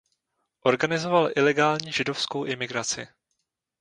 Organizoval ilegální židovskou imigraci.